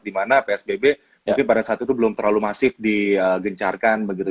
dimana psbb mungkin pada saat itu belum terlalu masif digencarkan begitu